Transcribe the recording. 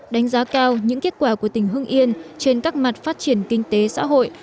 đánh giá cao những kết quả của tỉnh hưng yên trên các mặt phát triển kinh tế xã hội